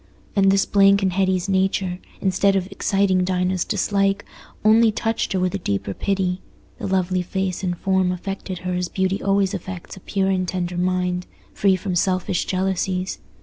And this blank in Hetty's nature, instead of exciting Dinah's dislike, only touched her with a deeper pity: the lovely face and form affected her as beauty always affects a pure and tender mind, free from selfish jealousies.